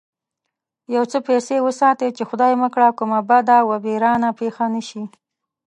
يو څه پيسې وساته چې خدای مکړه کومه بده و بېرانه پېښه نه شي.